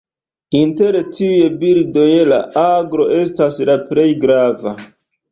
Inter tiuj birdoj la aglo estas la plej grava.